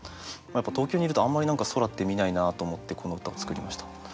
やっぱ東京にいるとあんまり空って見ないなと思ってこの歌を作りました。